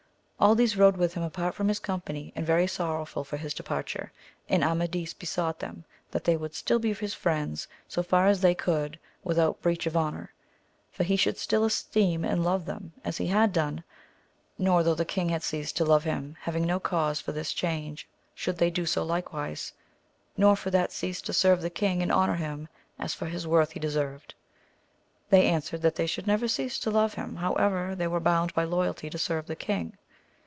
All these rode with him apart from his company and very sorrowful for his departure, and Amadis besought them that they would still be his friends so far as they could without breach of honour, for he should still esteem and love them as he had done; nor though the king had ceased to love him, having no cause for this change, should they do so likewise, nor for that cease to serve the king and honour him as for his worth he deserved. They an swered, that they should never cease to love hijai how ever they were bound by loyalty to serve the king.